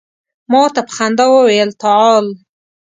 ما ورته په خندا وویل تعال.